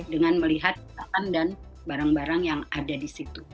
dengan melihat barang barang yang ada di situ